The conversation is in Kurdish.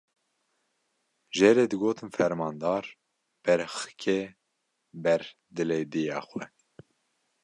Jê re digotin fermandar, berxikê ber dilê dêya xwe.